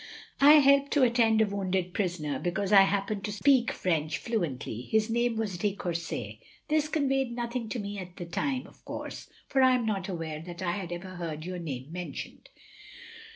I helped to attend OF GROSVENOR SQUARE 221 a wounded prisoner, because I happened to speak French fluently. His name was de Courset. This conveyed nothing to me at the time, of course, for I am not aware that I had ever heard yotir name mentioned.